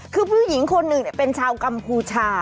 คือผู้หญิงคนหนึ่งเป็นชาวกัมพูชา